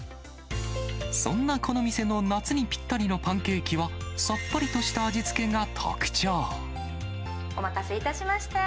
そんなこの店の夏にぴったりのパンケーキは、お待たせいたしました。